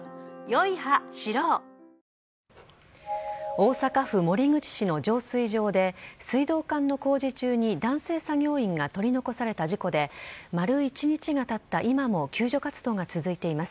大阪府守口市の浄水場で水道管の工事中に男性作業員が取り残された事故で丸一日がたった今も救助活動が続いています。